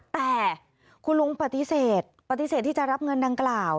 แต่คุณลุงปฏิเสธปฏิเสธที่จะรับเงินดังกล่าว